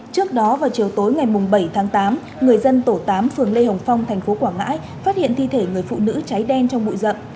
trước đó vào chiều tối ngày bảy tháng tám người dân tổ tám phường lê hồng phong tp quảng ngãi phát hiện thi thể người phụ nữ cháy đen trong bụi rậm